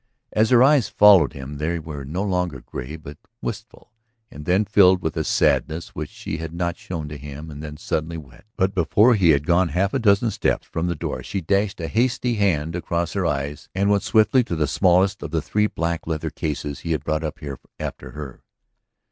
As her eyes followed him they were no longer gay but wistful, and then filled with a sadness which she had not shown to him, and then suddenly wet. But before he had gone half a dozen steps from the door she dashed a hasty hand across her eyes and went swiftly to the smallest of the three black leather cases he had brought up here after her.